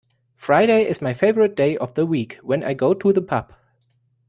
Friday is my favourite day of the week, when I go to the pub